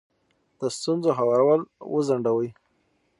د ستونزو هوارول وځنډوئ.